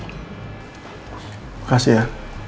terima kasih ya